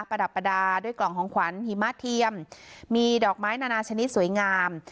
ประดับประดาษด้วยกล่องของขวัญหิมะเทียมมีดอกไม้นานาชนิดสวยงาม